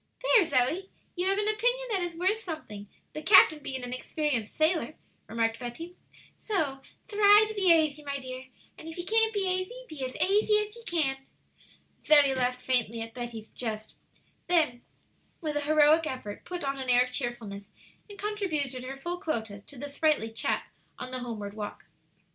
"There, Zoe, you have an opinion that is worth something, the captain being an experienced sailor," remarked Betty. "So thry to be aisy, my dear, and if ye can't be aisy, be as aisy as ye can!" Zoe laughed faintly at Betty's jest; then, with a heroic effort, put on an air of cheerfulness, and contributed her full quota to the sprightly chat on the homeward walk.